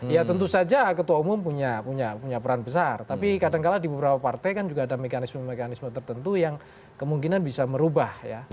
ya tentu saja ketua umum punya peran besar tapi kadangkala di beberapa partai kan juga ada mekanisme mekanisme tertentu yang kemungkinan bisa merubah ya